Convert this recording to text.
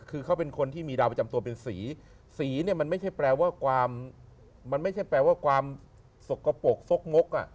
คือเขาเป็นคนที่มีดาวประจำตัวเป็นสีสีเนี่ยมันไม่ใช่แปลว่าความสกปกสกงก